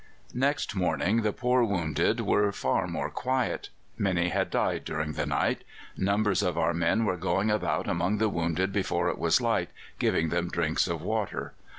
Next morning the poor wounded were far more quiet. Many had died during the night. Numbers of our men were going about among the wounded before it was light, giving them drinks of water.